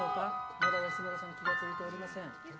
まだ安村さん、気が付いておりません。